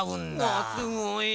わすごい！